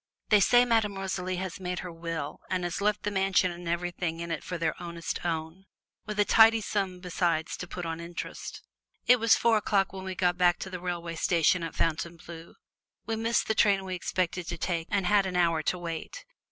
They say Madame Rosalie has made her will and has left them the mansion and everything in it for their ownest own, with a tidy sum besides to put on interest." It was four o'clock when we got back to the railroad station at Fontainebleau. We missed the train we expected to take, and had an hour to wait.